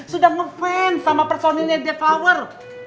sudah ngefans sama personilnya death flower